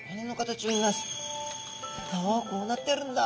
おこうなってるんだ。